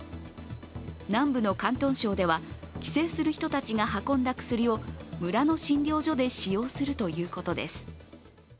南部の広東省では帰省する人たちが運んだ薬を村の診療所で使用するということです。